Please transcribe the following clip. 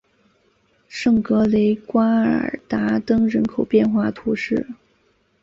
圣格雷瓜尔达登人口变化图示